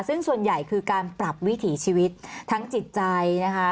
ซึ่งส่วนใหญ่คือการปรับวิถีชีวิตทั้งจิตใจนะคะ